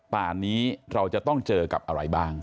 ป่านนี้เราจะต้องเจอกับอะไรบ้าง